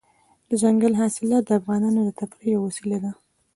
دځنګل حاصلات د افغانانو د تفریح یوه وسیله ده.